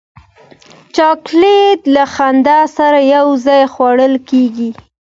چاکلېټ له خندا سره یو ځای خوړل کېږي.